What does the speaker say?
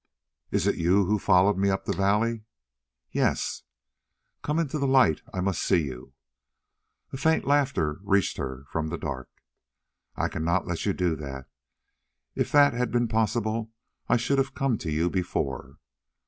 "Is it you who followed me up the valley?" "Yes." "Come into the light. I must see you." A faint laughter reached her from the dark. "I cannot let you do that. If that had been possible I should have come to you before."